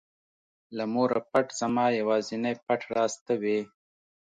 له موره پټ زما یوازینى پټ راز ته وې.